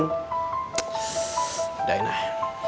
cek udah enak